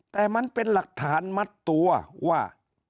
แต่มันเป็นหลักฐานมัดตัวว่า